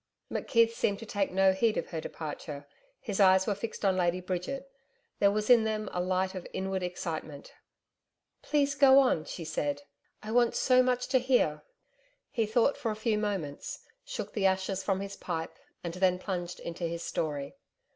McKeith seemed to take no heed of her departure; his eyes were fixed on Lady Bridget; there was in them a light of inward excitement. 'Please go on,' she said, 'I want so much to hear.' He thought for a few moments, shook the ashes from his pipe and then plunged into his story.